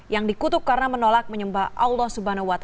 yang dikutuk karena menolak menyembah allah swt